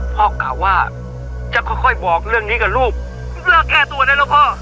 กล่าวว่าจะค่อยค่อยบอกเรื่องนี้กับลูกเพื่อแก้ตัวได้แล้วพ่อ